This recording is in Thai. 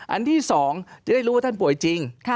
อันที่๒จะได้รู้ว่าท่านป่วยจริง